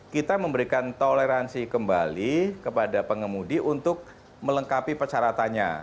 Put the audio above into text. kita memberikan toleransi kembali kepada pengemudi untuk melengkapi persyaratannya